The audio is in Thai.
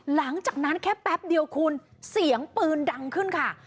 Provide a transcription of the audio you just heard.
หลังจากนั้นแค่แป๊บเดียวคุณเสียงปืนดังขึ้นค่ะ